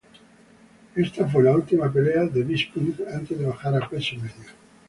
Esta fue la última pelea de Bisping antes de bajar a peso medio.